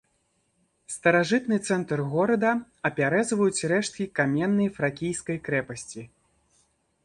Старажытны цэнтр горада апяразваюць рэшткі каменнай фракійскай крэпасці.